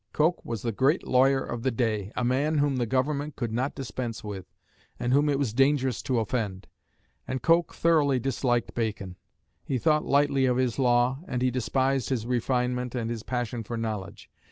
Coke was the great lawyer of the day, a man whom the Government could not dispense with, and whom it was dangerous to offend. And Coke thoroughly disliked Bacon. He thought lightly of his law, and he despised his refinement and his passion for knowledge.